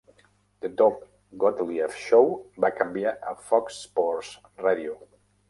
"The Doug Gottlieb Show" va canviar a Fox Sports Radio.